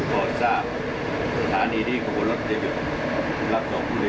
โปรดสร้างสถานีดีของบนรถเจริญ